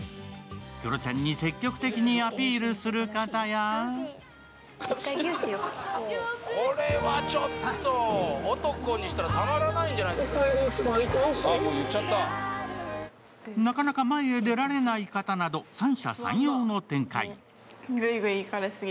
クロちゃんに積極的にアピールする方やなかなか前へ出られない方など三者三様の展開。